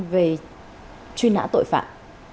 về truy nã tội phạm